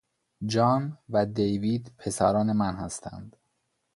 جان و دیوید پسران من هستند.